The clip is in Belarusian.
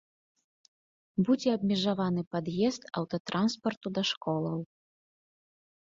Будзе абмежаваны пад'езд аўтатранспарту да школаў.